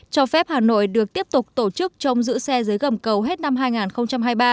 cho phép hà nội được tiếp tục tổ chức trông giữ xe dưới gầm cầu hết năm hai nghìn hai mươi ba